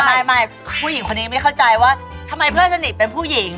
ไม่ผู้หญิงคนนี้ไม่เข้าใจว่าทำไมเพื่อนสนิทเป็นผู้หญิง